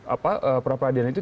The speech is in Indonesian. apa pra peradilan itu